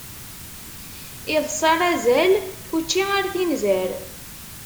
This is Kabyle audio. Iḍes ar azal, učči ar tinzar!